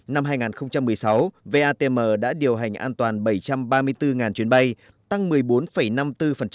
năm hai nghìn một mươi sáu vatm đã điều hành an toàn bảy trăm ba mươi bốn chuyến bay tăng một mươi bốn năm mươi bốn so với năm hai nghìn một mươi năm